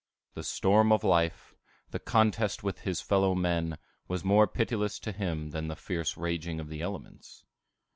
The storm of life, the contest with his fellow men, was more pitiless to him than the fierce raging of the elements.